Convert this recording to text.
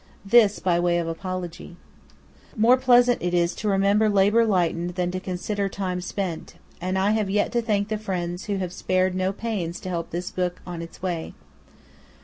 This by way of apology. More pleasant is it to remember labour lightened than to consider time spent; and I have yet to thank the friends who have spared no pains to help this book on its way.